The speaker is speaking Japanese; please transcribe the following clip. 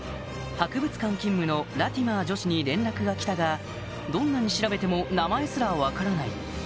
博物館勤務のラティマー女史に連絡が来たがどんなに調べても名前すら分からない